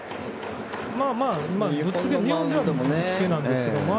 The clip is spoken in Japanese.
日本ではぶっつけなんですけどね。